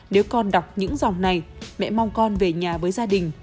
nếu con đọc những dòng này mẹ mong con về nhà với gia đình